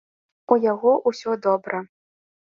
У яго ўсё добра.